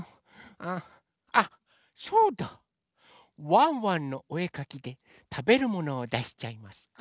「ワンワンのおえかき」でたべるものをだしちゃいます。